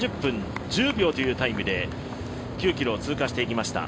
３０分１０秒というタイムで９ｋｍを通過していきました。